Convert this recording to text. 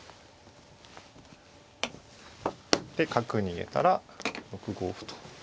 で角逃げたら６五歩と。